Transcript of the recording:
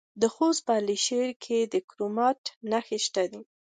د خوست په علي شیر کې د کرومایټ نښې شته.